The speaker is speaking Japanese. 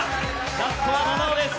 ラストは菜々緒です。